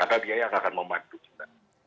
karena dia yang akan membantu kita